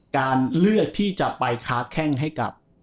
การเลือกที่จะไปค้าแข้งให้กับ